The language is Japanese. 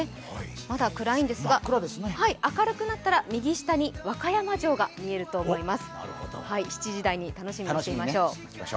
まだ暗いんですが、明るくなったら右下に和歌山城が見えると思います。